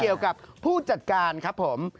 เกี่ยวกับผู้จัดการครับผม